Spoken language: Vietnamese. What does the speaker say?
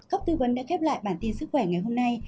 các tư vấn đã kết thúc bản tin sức khỏe ngày hôm nay